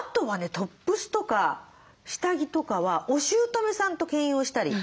トップスとか下着とかはおしゅうとめさんと兼用したり。